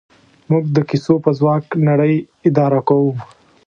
موږ د کیسو په ځواک نړۍ اداره کوو.